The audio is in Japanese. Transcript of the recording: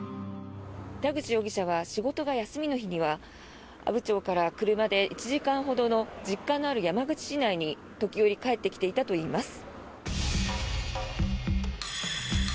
田口容疑者は仕事が休みの日には阿武町から車で１時間ほどの実家のある山口市内に時折、帰ってきていたといいます。